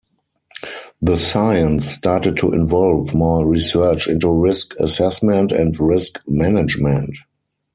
The science started to involve more research into risk assessment and risk management.